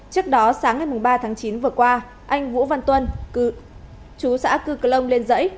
trước đó sáng ngày ba tháng chín vừa qua anh vũ văn tuân chú xã cư clon lên dãy